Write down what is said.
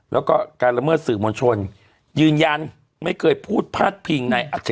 แล้วก็การละเมิดสื่อมวลชนยืนยันไม่เคยพูดพาดพิงในอัจฉริ